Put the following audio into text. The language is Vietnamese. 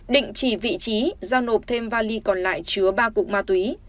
định chỉ vị trí giao nộp thêm vali còn lại chứa ba cục ma túy